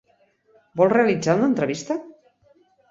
Vol realitzar una entrevista?